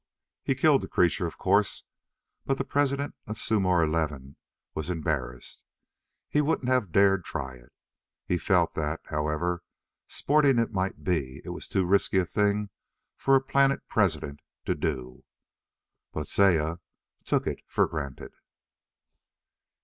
He killed the creature, of course. But the President of Sumor XI was embarrassed. He wouldn't have dared try it. He felt that, however sporting it might be, it was too risky a thing for a Planet President to do. But Saya took it for granted.